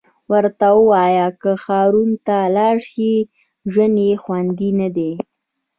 ورته ووایه که هارو ته لاړ شي ژوند یې خوندي ندی